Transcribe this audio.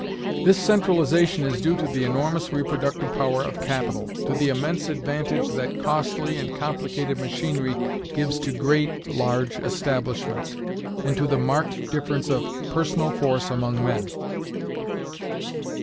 This centralization is due to the enormous reproductive power of capital, to the immense advantage that costly and complicated machinery gives to great [large] establishments, and to the marked difference of personal force among men."